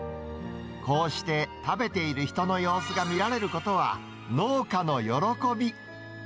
こうして食べている人の様子が見られることは、農家の喜び。